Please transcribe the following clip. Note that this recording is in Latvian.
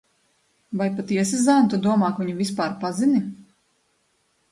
Vai patiesi, zēn, tu domā, ka viņu vispār pazini?